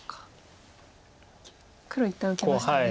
黒一旦受けましたね。